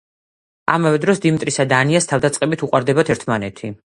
ამავე დროს დიმიტრისა და ანიას თავდავიწყებით უყვარდებათ ერთმანეთი.